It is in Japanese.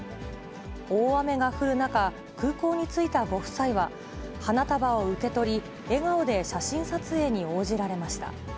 大雨が降る中、空港に着いたご夫妻は、花束を受け取り、笑顔で写真撮影に応じられました。